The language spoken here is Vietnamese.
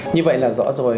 như vậy là rõ rồi